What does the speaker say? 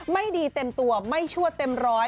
ไม่ดีเต็มตัวไม่ชั่วเต็มร้อย